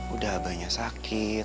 udah abahnya sakit